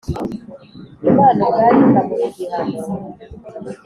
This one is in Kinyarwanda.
imana ubwayo ikamuha igihano